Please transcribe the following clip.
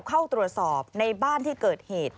เข้าตรวจสอบในบ้านที่เกิดเหตุ